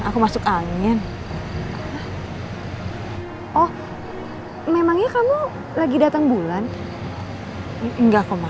ke dokter pastiin aja dia apa enggak